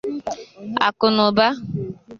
akụnụba